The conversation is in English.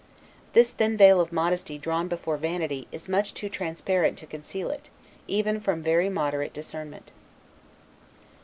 This thin veil of Modesty drawn before Vanity, is much too transparent to conceal it, even from very moderate discernment.